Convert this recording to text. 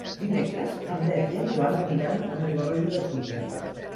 Dimecres en Pep i en Joan aniran a Riba-roja de Túria.